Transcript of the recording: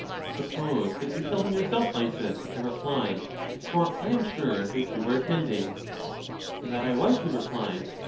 Suppose that you tell him yourself, Lysis, I re plied ; for I am sure that you were attending. That I was, he replied.